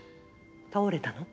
倒れたの？